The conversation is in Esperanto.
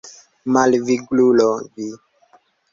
Malviglulo vi!